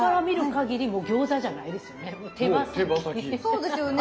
そうですよね。